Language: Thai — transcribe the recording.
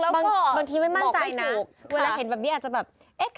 บางทีไม่มั่นใจถูกเวลาเห็นแบบนี้อาจจะแบบบางทีไม่มั่นใจถูก